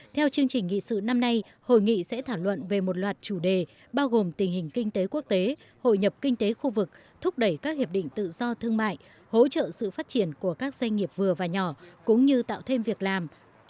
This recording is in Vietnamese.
theo chương trình nghị sự năm nay hội nghị sẽ thảo luận về một loạt chủ đề bao gồm tình hình kinh tế quốc tế hội nhập kinh tế khu vực thúc đẩy các hiệp định tự do thương mại hỗ trợ sự phát triển của các doanh nghiệp vừa và nhỏ cũng như tạo thêm việc làm